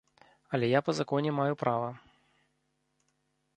Але я па законе маю права.